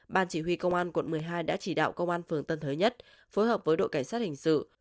ban chỉ huy công an quận một mươi hai đã chỉ đạo công an phường tân thới nhất phối hợp với đội cảnh sát hình sự